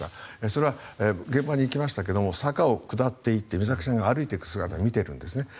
それは現場に行きましたけれど坂を下っていって美咲さんが歩いていく姿を見ているんですね。